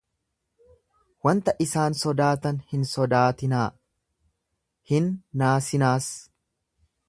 Wanta isaan sodaatan hin sodaatinaa, hin naasinaas.